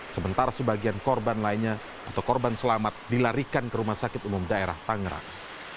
sementara sebagian korban lainnya atau korban selamat dilarikan ke rumah sakit umum daerah tangerang